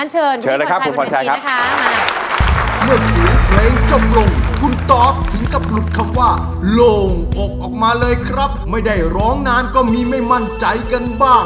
เชิญครับคุณพ่อชายมันเป็นทีนะคะ